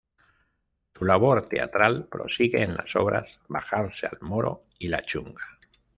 Su labor teatral prosigue en las obras "Bajarse al moro" y "La Chunga".